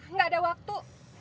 nggak ada waktu